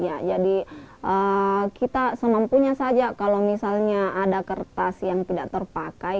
ya jadi kita semampunya saja kalau misalnya ada kertas yang tidak terpakai